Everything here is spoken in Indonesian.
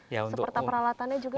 seperti peralatannya juga